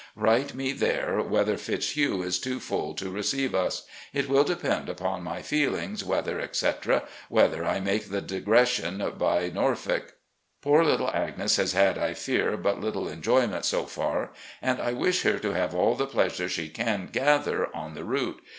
Write me there whether Fitz hugh is too full to receive us. It will depend upon my feelings, weather, etc., whether I make the digression by Norfolk. Poor little Agnes has had, I fear, but little enjoyment so far, and I wish her to have all the pleasure she can gather on the route.